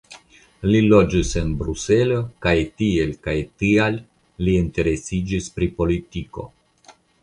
Li loĝis en Bruselo kaj tiel kaj tial li interesiĝis pri politiko.